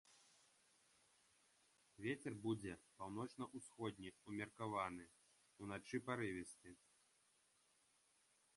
Вецер будзе паўночна-ўсходні ўмеркаваны, уначы парывісты.